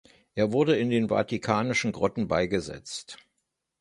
Er wurde in den vatikanischen Grotten beigesetzt.